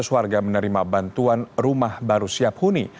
dua ratus warga menerima bantuan rumah baru siap huni